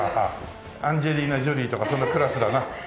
アンジェリーナ・ジョリーとかそのクラスだな。